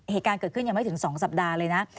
เหตุการณ์เกิดขึ้นยังไม่ถึง๒สัปดาห์เลยนะ